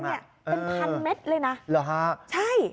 เป็นพันเม็ดเลยน่ะใช่อ่าครับ